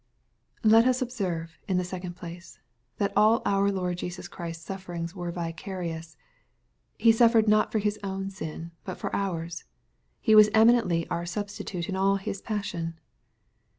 Let us observe, in the second place, that all our Lo7*d Jesus Christ s sufferings were vicarious. He suffered not for His own sins, but for cur's. He was eminently our substitute in all His passion.